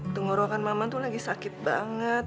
tenggorokan mama tuh lagi sakit banget